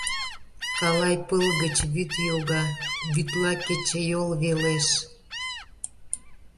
Калай «пыл» гыч вӱд йога, вӱдла кечыйол велеш.